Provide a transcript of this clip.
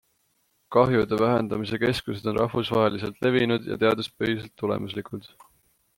Kahjude vähendamise keskused on rahvusvaheliselt levinud ja teaduspõhiselt tulemuslikud.